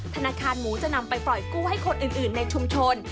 ธนาคารหมูจะนำไปปล่อยกู้ให้คนอื่นในชุมชน